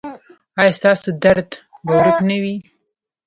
ایا ستاسو درد به ورک نه وي؟